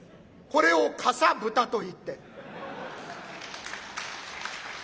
これをかさぶたといって。